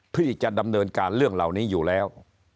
เพื่อจะดำเนินการเรื่องเหล่านี้อยู่แล้ว